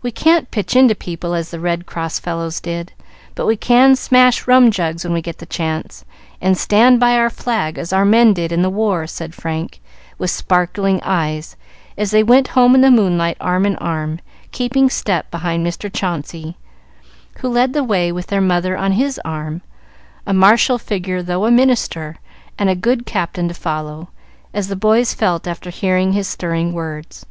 "We can't pitch into people as the Red Cross fellows did, but we can smash rum jugs when we get the chance, and stand by our flag as our men did in the war," said Frank, with sparkling eyes, as they went home in the moonlight arm in arm, keeping step behind Mr. Chauncey, who led the way with their mother on his arm, a martial figure though a minister, and a good captain to follow, as the boys felt after hearing his stirring words.